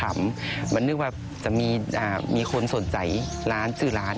มันนึกว่าจะมีคนสนใจร้านชื่อร้าน